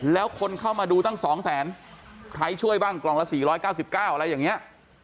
แล้วคนเข้ามาดูตั้ง๒แสนใครช่วยบ้างกล่องละ๔๙๙อะไรอย่างนี้